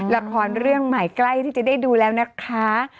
ละครเรื่องใหม่ใกล้ที่จะได้ดูแล้วนะคะ